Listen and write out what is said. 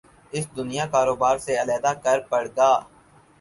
اس دنیا کاروبار سے علیحدہ کر پڑ گا